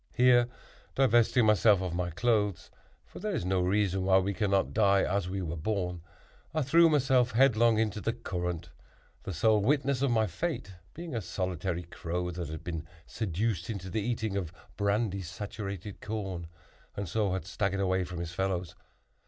Here, divesting myself of my clothes, (for there is no reason why we cannot die as we were born), I threw myself headlong into the current; the sole witness of my fate being a solitary crow that had been seduced into the eating of brandy saturated corn, and so had staggered away from his fellows.